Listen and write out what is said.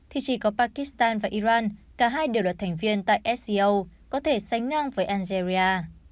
thì chỉ có pakistan và iran cả hai đều là thành viên tại sco có thể sánh ngang với algeria